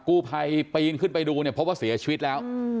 กู้ภัยปีนขึ้นไปดูเนี่ยพบว่าเสียชีวิตแล้ว